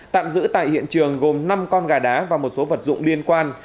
tạm giữ tại hiện trường gồm năm con gà đá và một số vật dụng liên quan